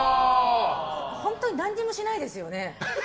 本当に何にもしないですよね？